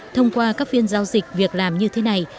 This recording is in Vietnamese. thông qua các phiên giao dịch việc làm như thế này